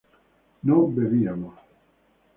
no bebíamos